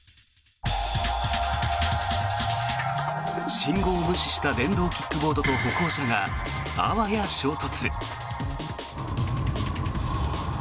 信号を無視した電動キックボードと、歩行者があわや衝突。